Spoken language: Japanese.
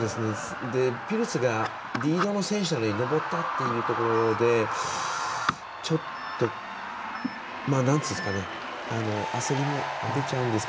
ピルツがリードの選手なのに登ったというところで焦りも出ちゃうんですが。